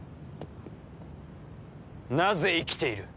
なぜ生きている？